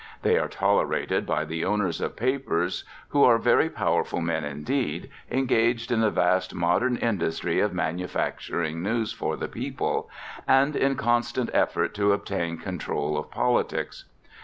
They are tolerated by the owners of papers, who are very powerful men indeed, engaged in the vast modern industry of manufacturing news for the people, and in constant effort to obtain control of politics.